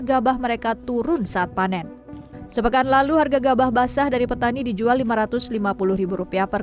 gabah mereka turun saat panen sepekan lalu harga gabah basah dari petani dijual lima ratus lima puluh rupiah per